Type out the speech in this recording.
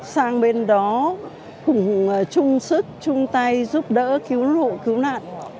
sang bên đó cùng chung sức chung tay giúp đỡ cứu hộ cứu nạn